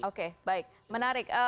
oke baik menarik